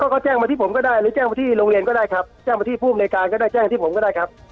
ก็แจ้งมาที่ผมก็ได้หรือแจ้งมาที่โรงเรียนก็ได้ครับแจ้งมาที่ภูมิในการก็ได้แจ้งที่ผมก็ได้ครับ